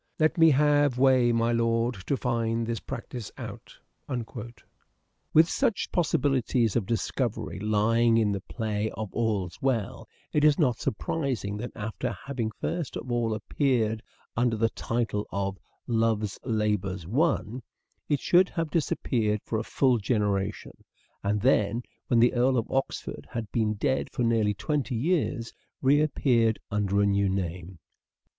Let me have way, my lord, To find this practice out." With such possibilities of discovery lying in the play of " All's Well," it is not surprising that after having first of all appeared under the title of " Love's Labour's Won," it should have disappeared for a full generation, and then, when the Earl of Oxford had been dead for nearly twenty years, reappeared under a new name.